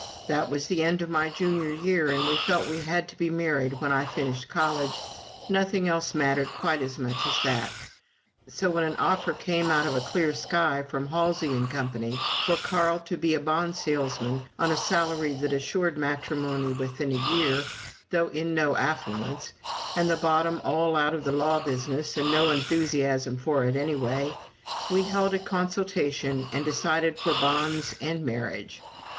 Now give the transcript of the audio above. That was the end of my Junior year, and we felt we had to be married when I finished college nothing else mattered quite as much as that. So when an offer came out of a clear sky from Halsey and Company, for Carl to be a bond salesman on a salary that assured matrimony within a year, though in no affluence, and the bottom all out of the law business and no enthusiasm for it anyway, we held a consultation and decided for bonds and marriage.